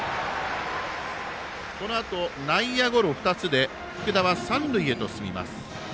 このあと、内野ゴロ２つで福田は三塁へと進みます。